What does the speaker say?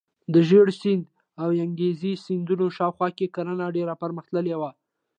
د ژیړ سیند او یانګزي سیندونو شاوخوا کې کرنه ډیره پرمختللې وه.